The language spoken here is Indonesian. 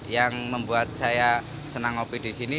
yang membuat saya senang ngopi di sini